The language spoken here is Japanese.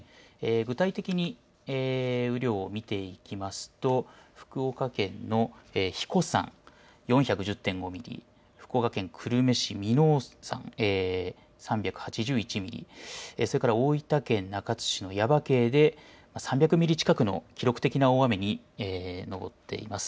具体的に雨量を見ていきますと福岡県の英彦山４１０．５ミリ、福岡県久留米市耳納山３８１ミリ、それから大分県中津市の耶馬溪で３００ミリ近くの記録的な大雨に上っています。